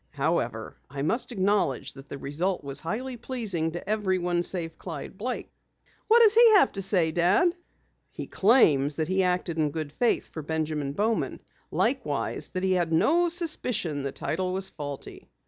However, I must acknowledge the result was highly pleasing to everyone save Clyde Blake." "What does he have to say, Dad?" "He claims that he acted in good faith for Benjamin Bowman. Likewise, that he had no suspicion the title was faulty."